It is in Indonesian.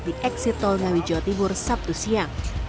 di eksit tol ngawi jawa timur sabtu siang